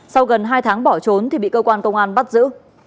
sau gần hai tháng bỏ trốn thì bị cơ quan công an bắt giữ